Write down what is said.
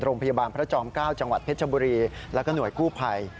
โรงพยาบาลพระจอม๙จังหวัดเพชรบุรีแล้วก็หน่วยกู้ภัย